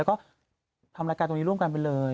แล้วก็ทำรายการตรงนี้ร่วมกันไปเลย